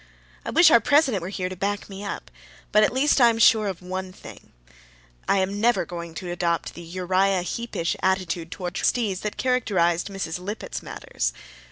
I wish our president were here to back me up! But at least I am sure of one thing. I am never going to adopt the Uriah Heepish attitude toward trustees that characterized Mrs. Lippett's manners.